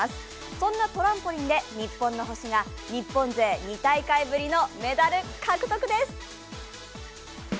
そんなトランポリンで日本の星が日本勢２大会ぶりのメダル獲得です